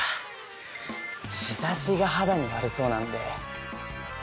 日差しが肌に悪そうなんで。